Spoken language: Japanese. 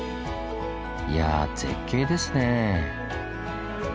いやぁ絶景ですねぇ！